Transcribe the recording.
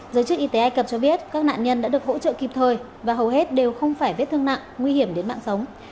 giới chức y tế ai cập cho biết các nạn nhân đã được hỗ trợ kịp thời và hầu hết đều không phải vết thương nặng nguy hiểm đến mạng sống